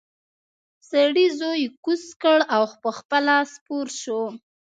سړي زوی کوز کړ او پخپله سپور شو.